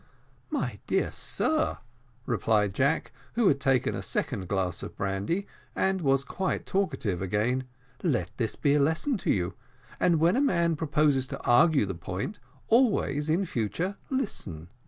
"My dear sir," replied Jack, who had taken a second glass of brandy, and was quite talkative again, "let this be a warning to you, and when a man proposes to argue the point, always, in future, listen.